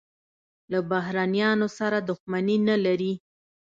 له بهرنیانو سره دښمني نه لري.